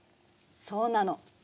そうなの。